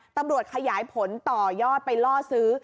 ตำรวจขยายผลต่อยอดไปล่อซื้อ